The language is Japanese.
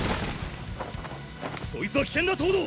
そいつは危険だ東堂！